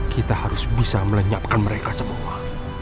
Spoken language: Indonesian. kita harus bisa melenyapkan mereka semua